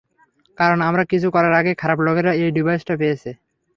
কারণ আমরা কিছু করার আগেই খারাপ লোকেরা এই ডিভাইসটা পেয়েছে।